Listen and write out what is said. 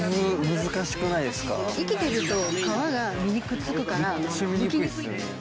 ・生きてると殻が身にくっつくからむきにくい・